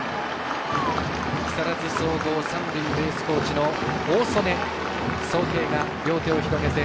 木更津総合、三塁ベースコーチの大曽根蒼平が両手を広げて